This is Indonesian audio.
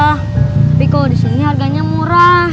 tapi kalau di sini harganya murah